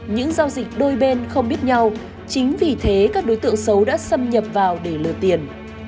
những giao dịch đôi bên không biết nhau chính vì thế các đối tượng xấu đã xâm nhập vào để lừa tiền